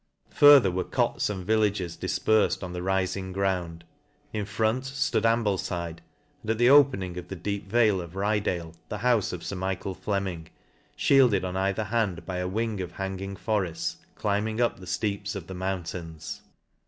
further were cots and villages difper fed on the riling ground; in front, ftood Ambkfide, and at the open ing of the deep vale of Rydale, the houfe of Sir Michael Flemings fhielded on either hand by awing of hanging forefts, climb'ng up the fleeps of the mountains.